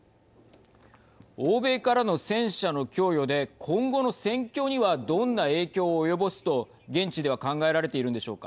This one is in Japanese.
欧米からの戦車の供与で今後の戦況にはどんな影響を及ぼすと現地では考えられているんでしょうか。